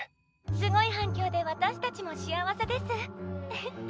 「すごいはんきょうで私たちも幸せです」。